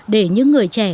để những người trẻ